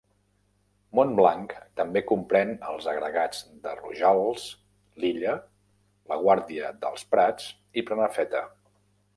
Montblanc també comprèn els agregats de Rojals, Lilla, La Guàrdia dels Prats i Prenafeta.